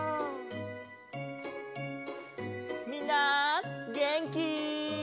みんなげんき？